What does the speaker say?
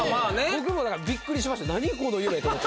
僕もだからびっくりしました。